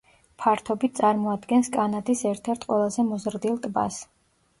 ფართობით წარმოადგენს კანადის ერთ-ერთ ყველაზე მოზრდილ ტბას.